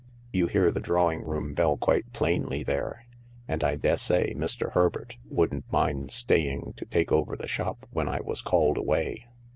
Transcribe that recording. " You hear the drawing room bell quite plainly there, and I dessay Mr. Herbert wouldn't mind staying to take over the shop when I was called away."